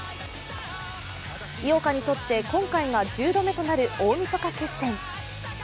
井岡にとって今回が１０度目となる大みそか決戦。